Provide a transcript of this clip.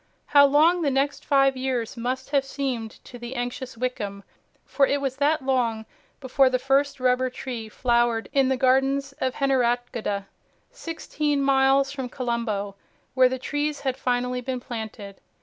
How long the next five years must have seemed to the anxious Wickham, for it was that long before the first rubber tree flowered in the gardens at Heneratgoda, sixteen miles from Colombo, where the trees had finally been planted.